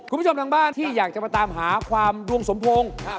คุณผู้ชมทางบ้านที่อยากจะมาตามหาความดวงสมพงศ์